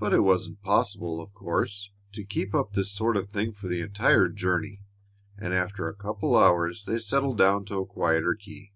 But it wasn't possible, of course, to keep up this sort of thing for the entire journey, and after a couple of hours they settled down to a quieter key.